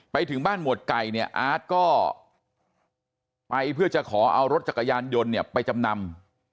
ไปถึงบ้านหมวดไก่เนี่ยอาร์ตก็ไปเพื่อจะขอเอารถจักรยานยนต์เนี่ยไปจำนำ